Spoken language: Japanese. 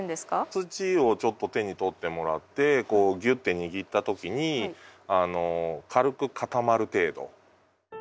土をちょっと手に取ってもらってこうぎゅって握った時に軽く固まる程度。